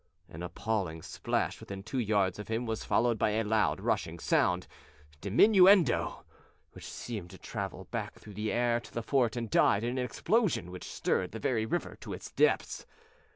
An appalling plash within two yards of him was followed by a loud, rushing sound, diminuendo, which seemed to travel back through the air to the fort and died in an explosion which stirred the very river to its deeps!